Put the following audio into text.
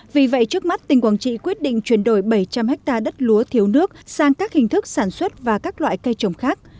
vì vậy trước mắt tỉnh quảng trị quyết định chuyển đổi bảy trăm linh ha đất lúa thiếu nước sang các hình thức sản xuất và các loại cây trồng khác